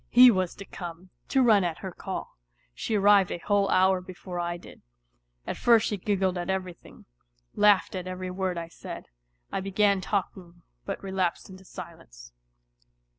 He was to come, to run at her call. She arrived a whole hour before I did. At first she giggled at everything, laughed at every word I said. I began talking, but relapsed into silence.